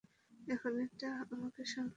এখন এটা আমাকেই সামলাতে হবে।